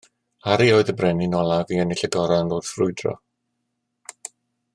Harri oedd y brenin olaf i ennill y goron wrth frwydro